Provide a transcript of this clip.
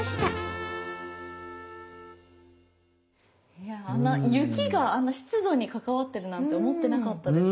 いや雪があんな湿度に関わってるなんて思ってなかったです。